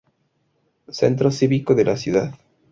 Centro Cívico de la ciudad.